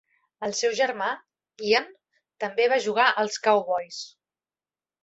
El seu germà, Ian, també va jugar als Cowboys.